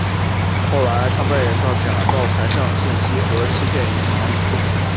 后来他被告假报财政信息和欺骗银行。